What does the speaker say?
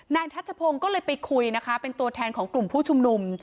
ทัชพงศ์ก็เลยไปคุยนะคะเป็นตัวแทนของกลุ่มผู้ชุมนุม